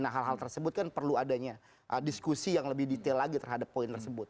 nah hal hal tersebut kan perlu adanya diskusi yang lebih detail lagi terhadap poin tersebut